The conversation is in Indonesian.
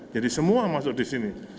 jadi semua masuk di sini